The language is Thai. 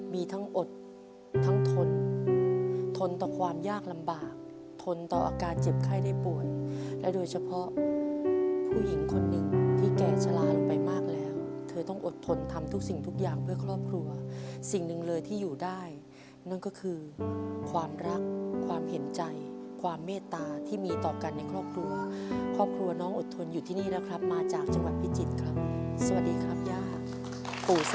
มีทั้งอดทั้งทนทนต่อความยากลำบากทนต่ออาการเจ็บไข้ได้ป่วยและโดยเฉพาะผู้หญิงคนหนึ่งที่แก่ชะลาลงไปมากแล้วเธอต้องอดทนทำทุกสิ่งทุกอย่างเพื่อครอบครัวสิ่งหนึ่งเลยที่อยู่ได้นั่นก็คือความรักความเห็นใจความเมตตาที่มีต่อกันในครอบครัวครอบครัวน้องอดทนอยู่ที่นี่แล้วครับมาจากจังหวัดพิจิตรครับสวัสดีครับย่า